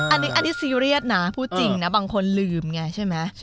อันนี้ซีเรียสนะพูดจริงนะบางคนลืมไงใช่ไหม